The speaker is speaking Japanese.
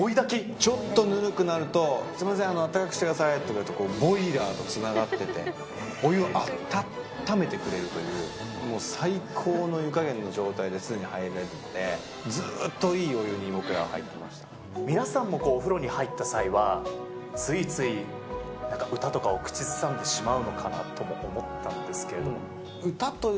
ちょっとぬるくなると、すみません、あったかくしてくださいって言うと、ボイラーとつながってて、お湯を温めてくれるという、もう最高の湯加減の状態で常に入れるので、ずっといいお湯に僕ら皆さんもお風呂に入った際は、ついついなんか歌とかを口ずさんでしまうのかなとも思ったんですけれども。